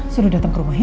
suruh datang ke rumah ya